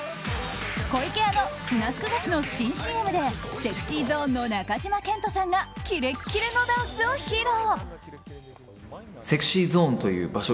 湖池屋のスナック菓子の新ＣＭでＳｅｘｙＺｏｎｅの中島健人さんがキレッキレのダンスを披露。